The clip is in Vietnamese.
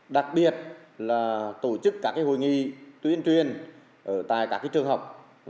đặc biệt là tổ chức các hội nghị tuyên truyền tại các trường học